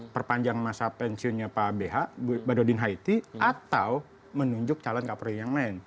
perpanjang masa pensiunnya pak bh badodin haiti atau menunjuk calon kapolri yang lain